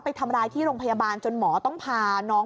ไปทำร้ายที่โรงพยาบาลจนหมอต้องพาน้อง